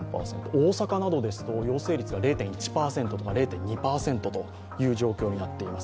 大阪などですと、陽性率が０．１％とか０．２％となっています。